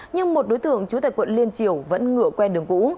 nhưng một đối tượng chủ tịch quận liên triều vẫn ngựa quen đường cũ